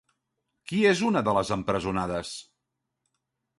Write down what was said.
Qui és una de les empresonades?